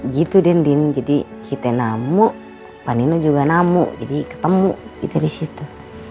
gitu dinding jadi kita namu panino juga namu jadi ketemu kita disitu